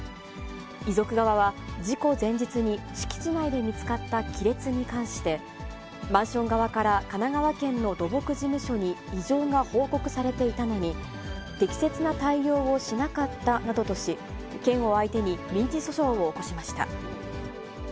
遺族側は、事故前日に敷地内で見つかった亀裂に関して、マンション側から神奈川県の土木事務所に異常が報告されていたのに、適切な対応をしなかったなどとし、県を相手に民事訴訟を起こしました。